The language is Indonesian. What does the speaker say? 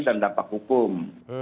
dan dapat hukum